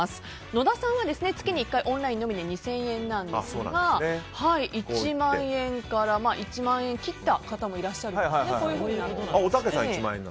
野田さんは月に１回オンラインのみで２０００円ですが１万円から１万円切った方もいらっしゃるということです。